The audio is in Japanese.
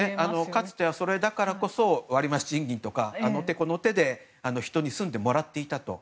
かつてはそれだからこそ割増賃金とか、あの手この手で人に住んでもらっていたと。